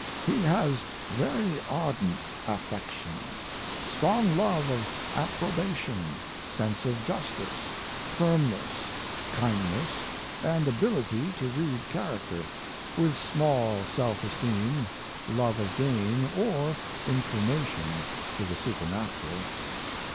He has very ardent affections, strong love of approba tion, sense of justice, firmness, kindness and ability to read character; with small self esteem, love of gain, or inclination to the supernatural.